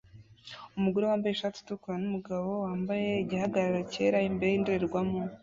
Umugore wambaye ishati itukura numugabo wambaye igihagararo cyera imbere yindorerwamo